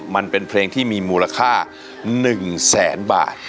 มันเป็นเพลงที่มีมูลค่า๑แสนบาท